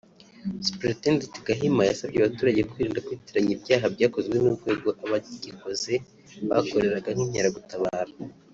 Supt Gahima yasabye abaturage kwirinda kwitiranya icyaha cyakozwe n’urwego abagikoze bakoreraga rw’inkeragutabara